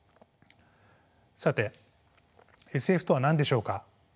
さてＳＦとは何でしょうか？